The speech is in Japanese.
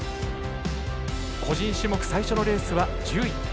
個人種目最初のレースは１０位。